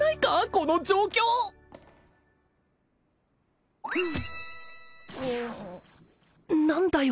この状況何だよ